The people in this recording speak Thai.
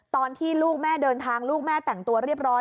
ตอนที่ลูกแม่เดินทางลูกแม่แต่งตัวเรียบร้อย